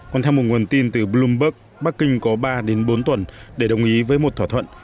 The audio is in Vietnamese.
còn theo một nguồn tin từ bloomberg bắc kinh có ba đến bốn tuần để đồng ý với một thỏa thuận